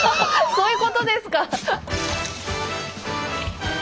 そういうことですか！